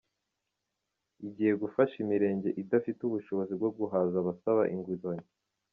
Igiye gufasha imirenge idafite ubushobozi bwo guhaza abasaba inguzanyo